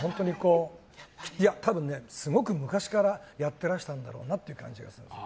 いや多分、すごく昔からやってらしたんだろうなという感じがするんです。